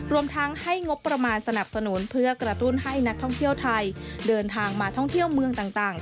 รวมทั้งให้งบประมาณสนับสนุนเพื่อกระตุ้นให้นักท่องเที่ยวไทยเดินทางมาท่องเที่ยวเมืองต่าง